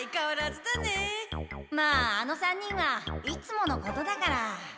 まああの３人はいつものことだから。